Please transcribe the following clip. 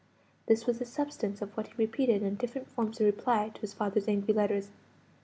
This was the substance of what he repeated in different forms in reply to his father's angry letters.